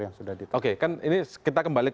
yang sudah ditutup oke kan ini kita kembali